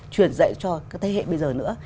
truyền dạy cho các thế hệ bây giờ nữa